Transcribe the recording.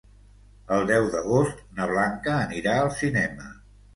El deu d'agost na Blanca anirà al cinema.